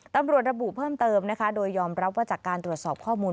ตำรวจระบุเพิ่มเติมนะคะโดยยอมรับว่าจากการตรวจสอบข้อมูล